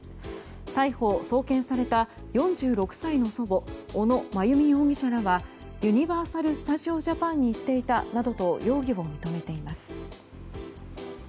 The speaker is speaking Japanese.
逮捕・送検された４６歳の祖母小野真由美容疑者らはユニバーサル・スタジオ・ジャパンに行っていたなどと容疑を認めています。